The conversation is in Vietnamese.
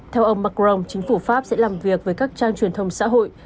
theo ông macron chính phủ pháp sẽ làm việc với các trang truyền thông xã hội